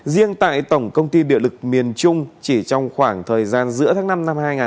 riêng tại tổng công ty địa lực miền trung chỉ trong khoảng thời gian giữa tháng năm năm hai nghìn hai mươi